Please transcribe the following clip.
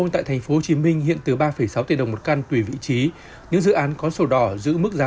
tại thành phố hồ chí minh hiện từ ba sáu tỷ đồng một căn tùy vị trí những dự án có sổ đỏ giữ mức giá